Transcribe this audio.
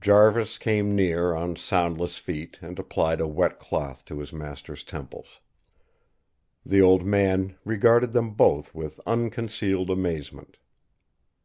Jarvis came near on soundless feet and applied a wet cloth to his master's temples. The old man regarded them both with unconcealed amazement.